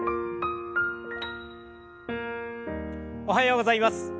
おはようございます。